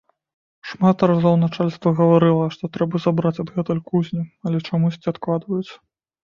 Шмат разоў начальства гаварыла, што трэба забраць адгэтуль кузню, але чамусьці адкладваюць.